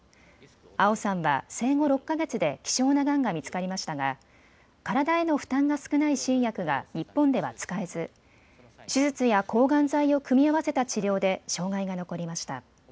蒼さんは生後６か月で希少ながんが見つかりましたが体への負担が少ない新薬が日本では使えず手術や抗がん剤を組み合わせた治療で障害が残りました。